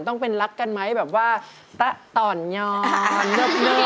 ต้องเป็นรักกันไหมแบบว่าต่อนย้อน